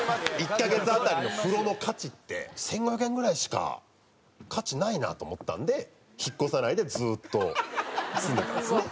１カ月当たりの風呂の価値って１５００円ぐらいしか価値ないなと思ったんで引っ越さないでずっと住んでたんですね。